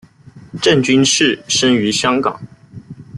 郑君炽生于香港。